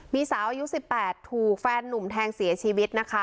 มีสาวอายุ๑๘ถูกแฟนนุ่มแทงเสียชีวิตนะคะ